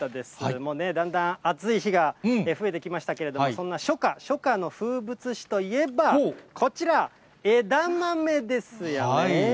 もうね、だんだん暑い日が増えてきましたけれども、そんな初夏、初夏の風物詩といえば、こちら、枝豆ですよね。